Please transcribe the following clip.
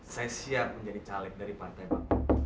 saya siap menjadi caleg dari pantai baku